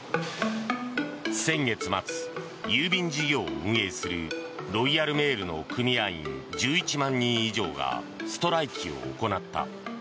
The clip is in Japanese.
先月末、郵便事業を運営するロイヤルメールの組合員１１万人以上がストライキを行った。